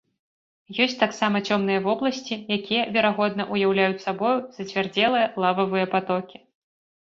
Ёсць таксама цёмныя вобласці, якія, верагодна, уяўляюць сабою зацвярдзелыя лававыя патокі.